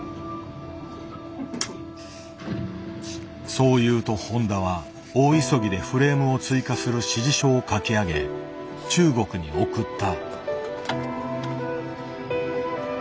そう言うと誉田は大急ぎでフレームを追加する指示書を書き上げ中国に送った。